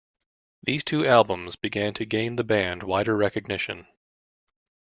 These two albums began to gain the band wider recognition.